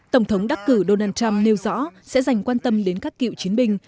tổng thống đắc cử donald trump nêu rõ sẽ dành quan tâm đến các cựu chiến binh